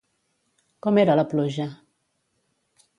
Com era la pluja?